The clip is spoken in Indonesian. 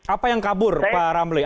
apa yang kabur pak ramli